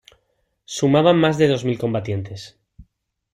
Sumaban más de dos mil combatientes.